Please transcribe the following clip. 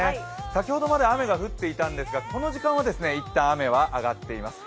先ほどまで雨が降っていたんですが、この時間はいったん雨は上がっています。